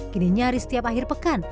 kini nyaris setiap akhir pekan